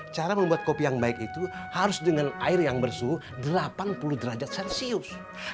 cara membuat kopi yang baik itu harus dengan air yang bersuhu delapan puluh derajat celcius